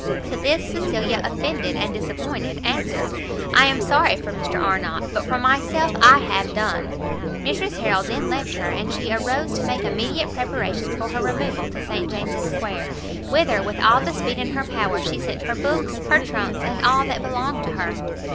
To this Cecilia, offended and disappointed, answered "I am sorry for Mr Arnott, but for myself I have done!" Mrs Harrel then left her, and she arose to make immediate preparations for her removal to St James's square, whither, with all the speed in her power, she sent her books, her trunks, and all that belonged to her.